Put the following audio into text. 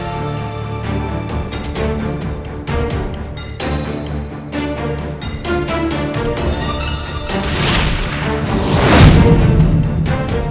sementara aku tidak sanggup